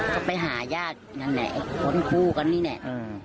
ก็ไปหาญาตินั่นแหละไอ้คนคู่กันนี่แหละ